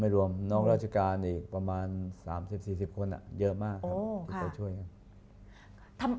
อเรนนี่แหละอเรนนี่แหละอเรนนี่แหละ